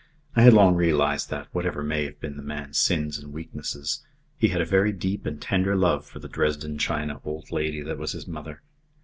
I had long realized that, whatever may have been the man's sins and weaknesses, he had a very deep and tender love for the Dresden china old lady that was his mother.